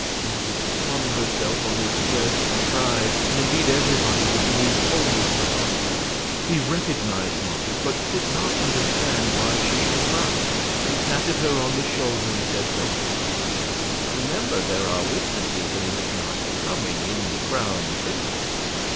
Marget flung herself on his breast and cried, and indeed everybody was moved almost to heartbreak. He recognized Marget, but could not understand why she should cry. He patted her on the shoulder and said: "Don't do it, dear; remember, there are witnesses, and it is not becoming in the Crown Princess.